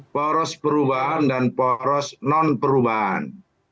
poros perubahan dan poros non perubahan